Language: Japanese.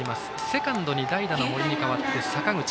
セカンドに代打の森に代わって坂口。